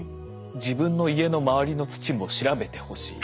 自分の家の周りの土も調べてほしい。